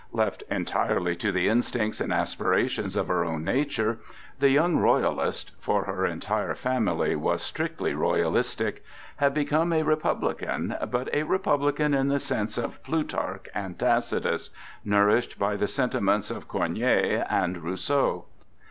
Left entirely to the instincts and aspirations of her own nature, the young royalist (for her entire family was strictly royalistic) had become a republican, but a republican in the sense of Plutarch and Tacitus, nourished by the sentiments of Corneille and Rousseau.